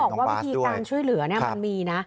บอกว่าวิธีการช่วยเหลือมันมีนะ